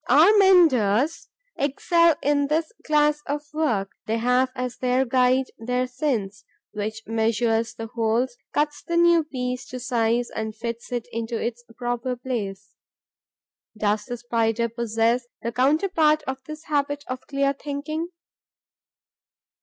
Our menders excel in this class of work. They have as their guide their sense, which measures the holes, cuts the new piece to size and fits it into its proper place. Does the Spider possess the counterpart of this habit of clear thinking?